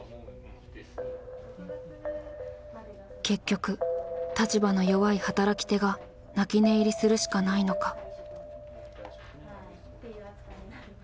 結局立場の弱い働き手が泣き寝入りするしかないのか。